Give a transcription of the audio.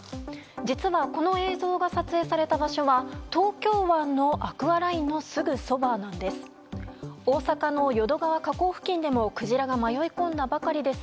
実はこの映像が撮影された場所は東京湾のアクアラインのすぐそばなんです。